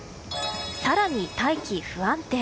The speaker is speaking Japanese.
更に大気不安定。